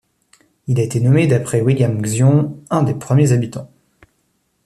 Elle a été nommée d’après William Zion, un des premiers habitants.